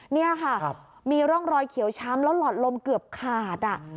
นี่ค่ะมีร่องรอยเขียวช้ำแล้วหลอดลมเกือบขาด